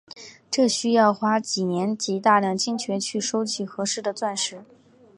这需要花几年及大量金钱去收集合适的钻石。